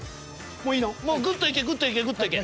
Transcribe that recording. もうグッといけグッといけグッといけ。